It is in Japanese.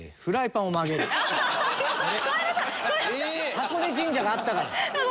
箱根神社があったから。